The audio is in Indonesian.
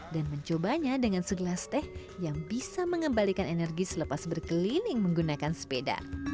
dan mencobanya dengan segelas teh yang bisa mengembalikan energi selepas berkeliling menggunakan sepeda